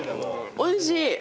おいしい。